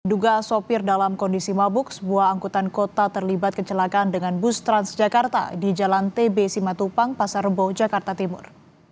duga sopir dalam kondisi mabuk sebuah angkutan kota terlibat kecelakaan dengan bus transjakarta di jalan tb simatupang pasar rebo jakarta timur